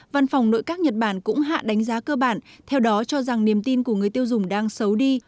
văn phòng nội các nhật bản cũng hạ đánh giá cơ bản theo đó cho rằng niềm tin của người tiêu dùng đang xấu đi